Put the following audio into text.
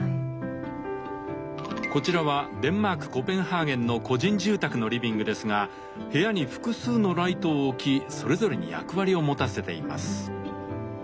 こちらはデンマークコペンハーゲンの個人住宅のリビングですが部屋に複数のライトを置きそれぞれに役割を持たせています。